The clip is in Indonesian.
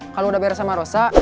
kalau udah beres sama rosa